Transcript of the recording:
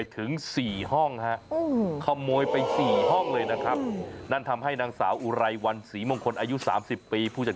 เฮ้ยขโมยอย่าบอกนะเข้าไปขโมยอะไรในห้องน้ำ